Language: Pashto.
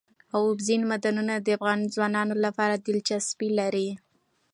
اوبزین معدنونه د افغان ځوانانو لپاره دلچسپي لري.